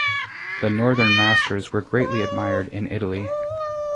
The northern masters were greatly admired in Italy.